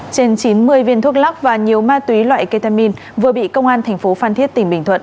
trên chín mươi viên thuốc lắc và nhiều ma túy loại ketamin vừa bị công an thành phố phan thiết tỉnh bình thuận